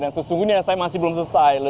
dan sesungguhnya saya masih belum selesai